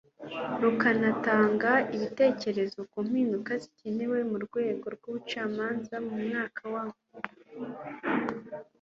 rukanatanga ibitekerezo ku mpinduka zikenewe mu rwego rw ubucamanza Mu mwaka wa